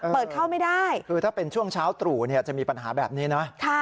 เปิดเข้าไม่ได้คือถ้าเป็นช่วงเช้าตรู่จะมีปัญหาแบบนี้นะ